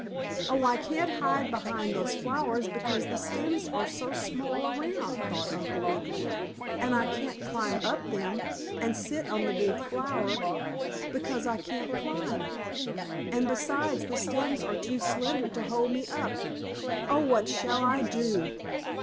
"Oh, I can't hide behind those flowers because the stems are so small around," thought Uncle Wiggily. "And I can't climb up them, and sit on the big flower, because I can't climb, and besides the stems are too slender to hold me up. Oh, what shall I do?"